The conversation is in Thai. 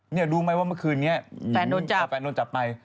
รู้ไหมว่าเมื่อคืนนี้แฟนโดนจับไป